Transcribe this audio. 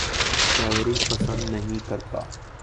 شاعری پسند نہیں کرتا